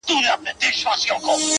ستا د مينې ستا د عشق له برکته!